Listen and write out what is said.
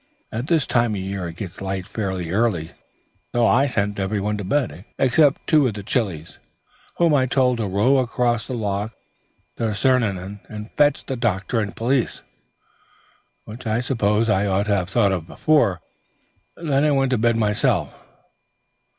At this time of the year it gets light fairly early, so I sent every one to bed, except two of the ghillies, whom I told to row across the loch to Crianan and fetch the doctor and police, which I suppose I ought to have thought of before. Then I went to bed myself."